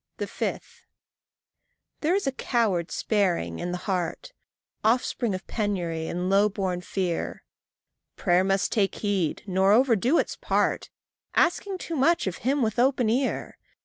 5. There is a coward sparing in the heart, Offspring of penury and low born fear: Prayer must take heed nor overdo its part, Asking too much of him with open ear!